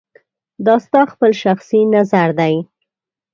دا ستا خپل شخصي نظر دی